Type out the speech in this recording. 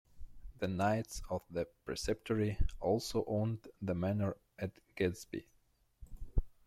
The knights of the preceptory also owned the Manor at Gaddesby.